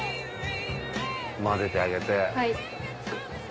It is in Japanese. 混ぜてあげて。